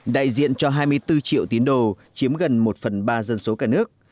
đại diện cho hai mươi bốn triệu tín đồ chiếm gần một phần ba dân số cả nước